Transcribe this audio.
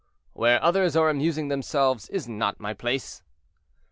"Where others are amusing themselves is not my place."